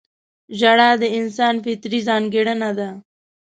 • ژړا د انسان فطري ځانګړنه ده.